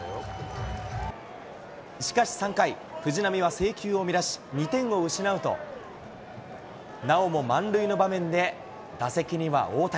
しかし３回、藤浪は制球を乱し、２点を失うと、なおも満塁の場面で、打席には大谷。